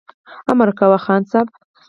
امر کوه خان صاحبه !